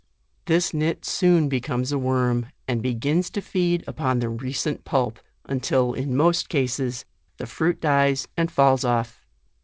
This nit soon becomes a worm, and begins to feed upon the recent pulp, until, in most cases, the fruit dies and falls off.